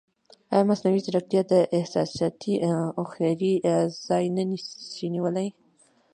ایا مصنوعي ځیرکتیا د احساساتي هوښیارۍ ځای نه شي نیولی؟